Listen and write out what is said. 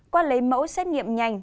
qua lấy mẫu xét nghiệm nhanh